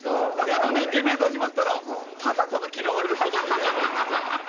やのにディベート始まったらただただ嫌われる事を言うじゃないですか。